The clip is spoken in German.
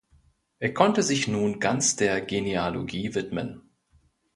Er konnte sich nun ganz der Genealogie widmen.